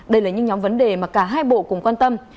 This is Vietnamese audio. đây là những nhóm vấn đề mà cả hai bộ cùng quan tâm